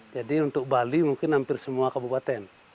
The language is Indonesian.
jadi untuk bali mungkin hampir semua kabupaten